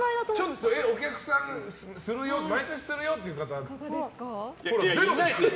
ちょっと、お客さん毎年するよっていう方。